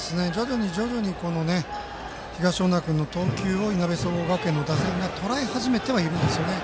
徐々に東恩納君の投球をいなべ総合学園の打線がとらえ始めてはいるんですよね。